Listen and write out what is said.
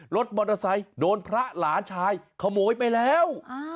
รถมอเตอร์ไซค์โดนพระหลานชายขโมยไปแล้ว